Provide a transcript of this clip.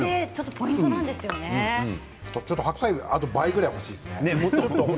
白菜あと倍ぐらい欲しいですね。